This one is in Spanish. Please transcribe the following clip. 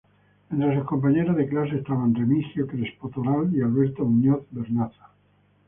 Entre sus compañeros de clase estaban Remigio Crespo Toral, Alberto Muñoz Vernaza.